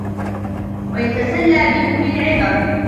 وَيَتَسَلَّى بِأُولِي الْعِبَرِ